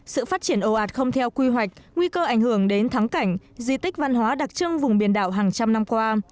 sự phát triển ồ ạt không theo quy hoạch nguy cơ ảnh hưởng đến thắng cảnh di tích văn hóa đặc trưng vùng biển đảo hàng trăm năm qua